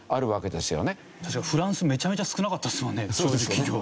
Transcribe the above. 確かにフランスめちゃめちゃ少なかったですもんね長寿企業。